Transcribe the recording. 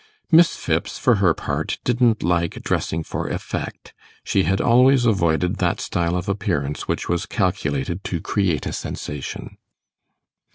Miss Phipps, for her part, didn't like dressing for effect she had always avoided that style of appearance which was calculated to create a sensation.